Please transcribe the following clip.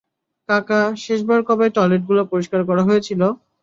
কাকা, শেষবার কবে টয়লেটগুলো পরিষ্কার করা হয়েছিল?